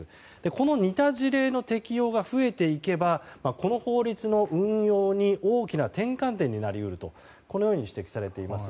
この似た事例の適用が増えていけばこの法律の運用に大きな転換点になり得るとこのように指摘されています。